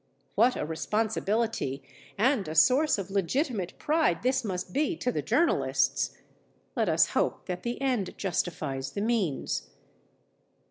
What a responsibility and a source of legitimate pride this must be to the journalists! Let us hope that the end justifies the means.